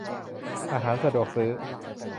อาหารสะดวกซื้อ